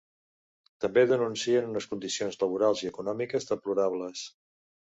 També denuncien unes ‘condicions laborals i econòmiques deplorables’.